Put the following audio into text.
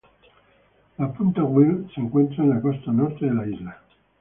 La punta Wild se encuentra en la costa norte de la isla.